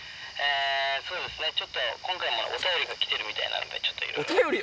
そうですね、ちょっと今回もお便りが来てるみたいなんで、ちょっお便り？